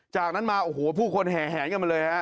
จากนั้นมาโอ้โหผู้คนแห่แหงกันมาเลยฮะ